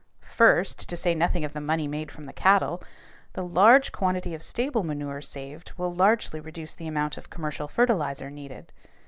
First, to say nothing of the money made from the cattle, the large quantity of stable manure saved will largely reduce the amount of commercial fertilizer needed.